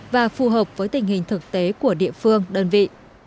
và phù hợp với tình hình thực tế của địa phương đơn vị